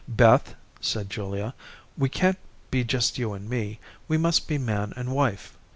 "Beth," said Julia, "we can't be just you and me. We must be man and wife.